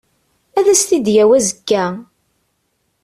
Ad as-t-id-yawi azekka.